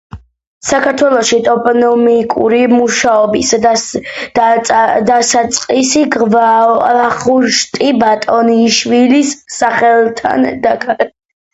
საქართველოში ტოპონიმიკური მუშაობის დასაწყისი ვახუშტი ბატონიშვილის სახელთანაა დაკავშირებული.